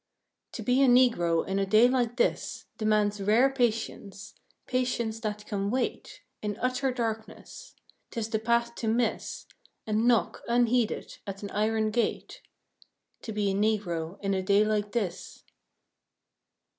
To be a Negro in a day like this Demands rare patience patience that can wait In utter darkness. 'Tis the path to miss, And knock, unheeded, at an iron gate, To be a Negro in a day like this.